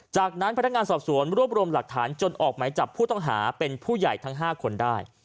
จากนั้นพนักงานสอบสวนรวบรวมหลักฐานจนออกหมายจับผู้ต้องหาเป็นผู้ใหญ่ทั้ง๕คนได้